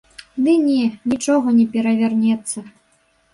Ды не, нічога не перавернецца.